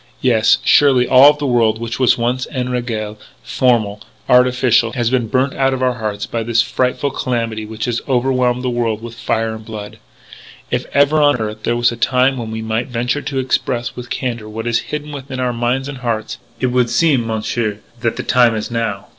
Yes, surely all the world which was once en régle, formal, artificial, has been burnt out of our hearts by this so frightful calamity which has overwhelmed the world with fire and blood. "If ever on earth there was a time when we might venture to express with candour what is hidden within our minds and hearts, it would seem, Monsieur, that the time is now.